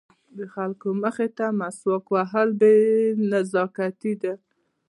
د خلکو مخې ته مسواک وهل بې نزاکتي ده.